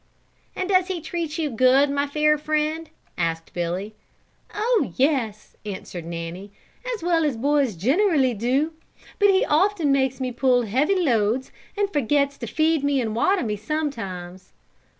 "And does he treat you good, my fair friend?" asked Billy. "Oh, yes," answered Nanny, "as well as boys generally do, but he often makes me pull heavy loads and forgets to feed and water me sometimes."